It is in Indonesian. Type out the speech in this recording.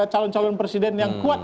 calon calon presiden yang kuat